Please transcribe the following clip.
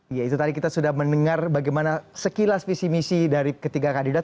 ya itu tadi kita sudah mendengar bagaimana sekilas visi misi dari ketiga kandidat